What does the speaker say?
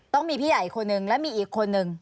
ต้องมีพี่ใหญ่อีกคนนึงและมีอีกคนนึง